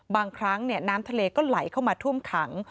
บางครั้งน้ำทะเลก็ไหลเข้ามาท่วมขัง